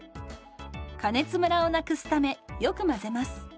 加熱ムラをなくすためよく混ぜます。